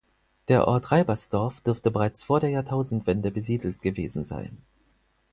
Der Ort Reibersdorf dürfte bereits vor der Jahrtausendwende besiedelt gewesen sein.